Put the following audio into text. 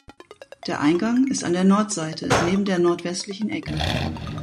Der Eingang ist an der Nordseite neben der nordwestlichen Ecke.